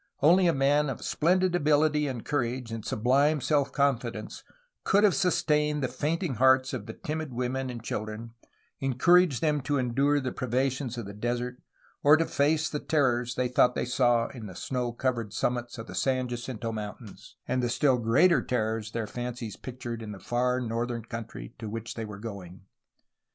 Only a man of splendid ability and courage, and sublime self confidence, could have sustained the fainting hearts of the timid women and children, encouraged them to endure the privations of the desert, or to face the terrors they thought they saw in the snow covered summits of the San Jacinto Mountains, and the still greater ter rors their fancies pictured in the far northern country to which they were going.